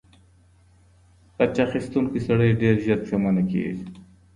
غچ اخیستونکی سړی ډیر ژر پښیمانه کیږي.